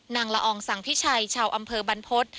ละอองสังพิชัยชาวอำเภอบรรพฤษ